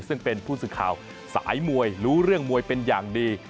ซึ่งเป็นผู้สื่อข่าวสายมวยรู้เรื่องมวยเป็นอย่างดี